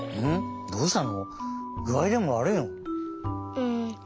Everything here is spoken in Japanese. うん。